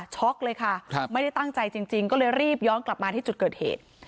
เลยค่ะไม่ได้ตั้งใจจริงก็เลยรีบย้อนกลับมาที่จุดเกิดเหตุ